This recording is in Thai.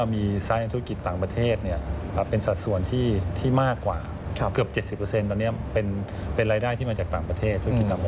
มีรายได้ที่มาจากเติมต้นจากทุกธุรกิจต่างประเทศ